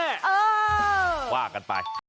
เออว่ากันไป